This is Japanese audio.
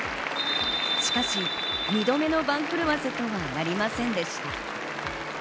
しかし、２度目の番狂わせとはなりませんでした。